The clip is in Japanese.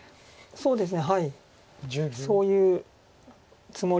そうですね。